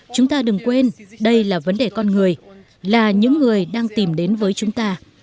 chúng ta đừng quên đây là vấn đề con người là những người đang tìm đến với chúng ta